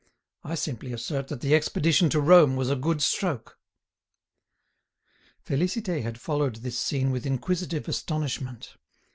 I simply assert that the expedition to Rome was a good stroke." Félicité had followed this scene with inquisitive astonishment.